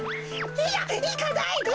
「いや！いかないで」。